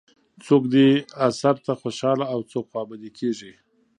څوک دې اثر ته خوشاله او څوک خوابدي کېږي.